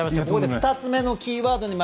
２つ目のキーワードです。